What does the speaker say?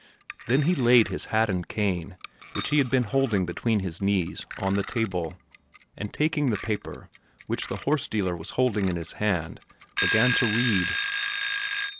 Then he laid his hat and cane, which he had been holding between his knees, on the table, and taking the paper, which the horse dealer was holding in his hand, began to read.